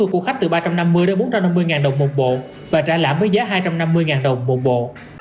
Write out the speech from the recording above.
chúng tôi đã làm với giá hai trăm năm mươi đồng một bộ